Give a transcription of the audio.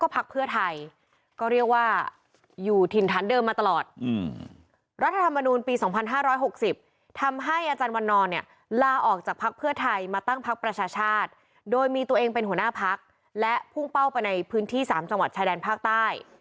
ภักดิ์ประชาชาติโดยมีตัวเองเป็นหัวหน้าภักดิ์และพุ่งเป้าไปในพื้นที่๓จังหวัดชายแดนภาคใต้